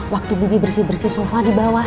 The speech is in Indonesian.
waktu bumi bersih bersih sofa di bawah